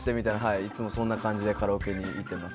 いつもそんな感じでカラオケに行っています。